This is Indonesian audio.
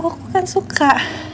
aku kan suka